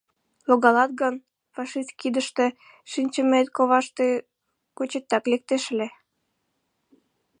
Логалат гын, фашист кидыште шинчымет коваште гочетак лектеш ыле.